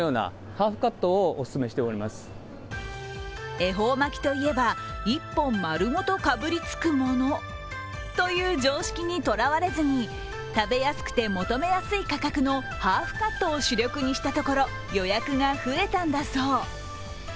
恵方巻きといえば、１本、丸ごとかぶりつくものという常識にとらわれずに食べやすくて、求めやすい価格のハーフカットを主力にしたところ予約が増えたんだそう。